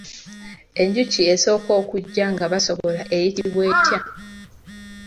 Enjuki esooka okujja nga basogola eyitibwa etya?